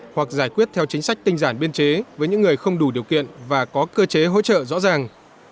hoặc giải quyết theo chính sách tinh giản biên chế với những người không đủ điều kiện và có cơ chế hỗ trợ rõ ràng